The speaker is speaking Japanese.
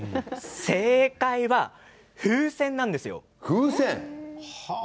正解は風船なんです。